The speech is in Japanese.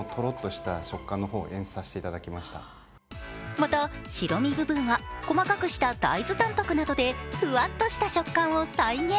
また、白身部分は細かくした大豆たんぱくなどでふわっとした触感を再現。